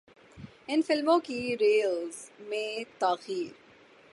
ان فلموں کی ریلیز میں تاخیر